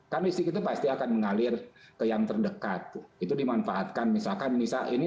kan listrik itu pasti akan mengalir ke yang terdekat itu dimanfaatkan misalkan ini